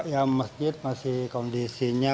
ya masjid masih kondisinya